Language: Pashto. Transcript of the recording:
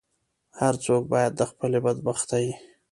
هر څوک باید د خپلې بدبختۍ.